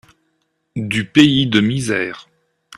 Du pays de misère.